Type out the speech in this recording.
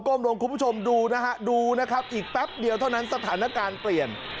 ลงคุณผู้ชมดูนะฮะดูนะครับอีกแป๊บเดียวเท่านั้นสถานการณ์เปลี่ยน